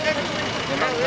kita memang melihat